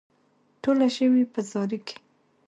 ټوله ژوي په زاري کې.